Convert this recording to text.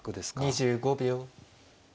２５秒。